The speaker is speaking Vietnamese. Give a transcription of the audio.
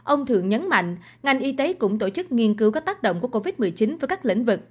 ông thượng nhấn mạnh ngành y tế cũng tổ chức nghiên cứu các tác động của covid một mươi chín với các lĩnh vực